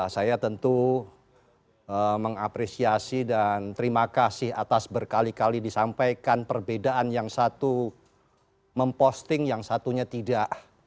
saya tentu mengapresiasi dan terima kasih atas berkali kali disampaikan perbedaan yang satu memposting yang satunya tidak